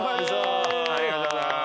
ありがとうございます！